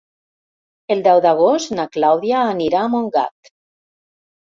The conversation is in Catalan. El deu d'agost na Clàudia anirà a Montgat.